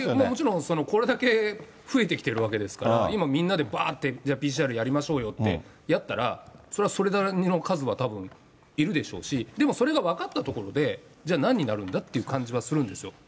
もちろんこれだけ増えてきているわけですから、今みんなでばーって、じゃあ、ＰＣＲやりましょうって、やったら、それは、それなりの数はたぶんいるでしょうし、でも、それが分かったところで、じゃあなんになるんだっていう感じはするんですよ。